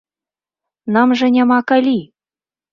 Нам жа няма калі!